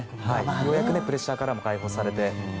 ようやくプレッシャーからも解放されて。